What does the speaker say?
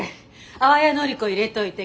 淡谷のり子入れといて。